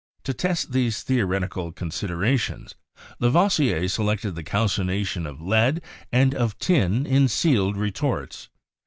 To test these theoretical considerations, Lavoisier se lected the calcination of lead and of tin in sealed retorts.